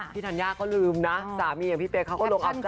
พี่ธัญญาก็ลืมนะสามีพี่เต็กเขาก็ลงอับใจ